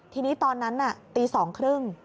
ทีนี้ตอนนั้นตี๒๓๐น